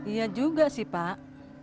iya juga sih pak